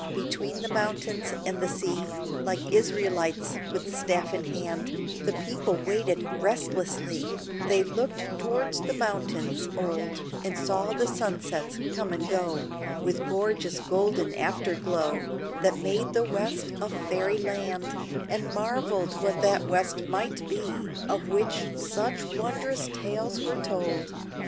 Between the mountains and the sea, Like Israelites with staff in hand, The people waited restlessly: They looked towards the mountains old And saw the sunsets come and go With gorgeous golden afterglow, That made the West a fairyland, And marvelled what that West might be Of which such wondrous tales were told.